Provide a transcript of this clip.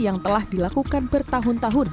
yang telah dilakukan bertahun tahun